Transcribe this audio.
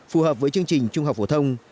phù hợp với chương trình trung học phổ thông